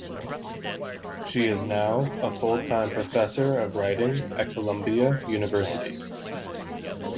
She is now a full-time professor of writing at Columbia University.